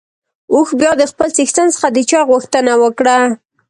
اوښ بيا د خپل څښتن څخه د چای غوښتنه وکړه.